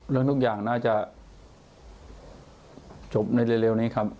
เรื่องทุกอย่างน่าจะจบในเร็วนี้ครับ